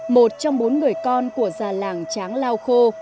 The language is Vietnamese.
một trong bốn người con của già làng tráng lao khô